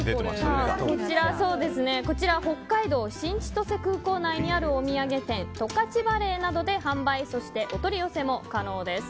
こちら北海道新千歳空港内にあるお土産店十勝ＶＡＬＬＥＹｓなどで販売そしてお取り寄せも可能です。